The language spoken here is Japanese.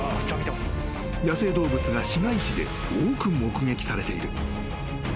［野生動物が市街地で多く目撃されている］